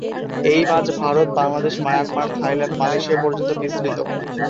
এই মাছ Bharat, Bangladesh, Myanmar, Thailand, Malaysia পর্যন্ত বিস্তৃত।